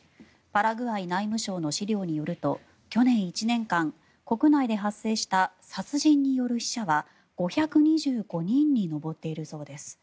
パラグアイ内務省の資料によると去年１年間、国内で発生した殺人による死者は５２５人に上っているそうです。